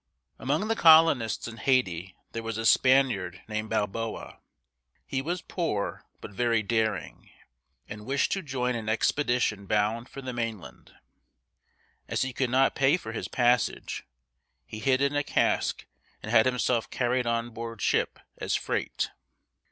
Among the colonists in Haiti there was a Spaniard named Bal bo´a. He was poor but very daring, and wished to join an expedition bound for the mainland. As he could not pay for his passage, he hid in a cask and had himself carried on board ship as freight.